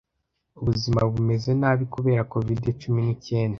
Ubuzima bumeze nabi kubera covid-cumi n'icyenda